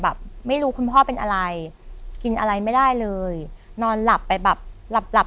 แบบไม่รู้คุณพ่อเป็นอะไรกินอะไรไม่ได้เลยนอนหลับไปแบบหลับหลับ